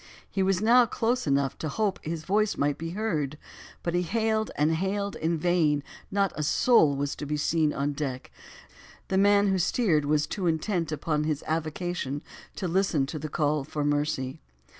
He was now close enough to hope his voice might be heard; but he hailed and hailed in vain, not a soul was to be seen on deck; the man who steered was too intent upon his avocation to listen to the call of mercy.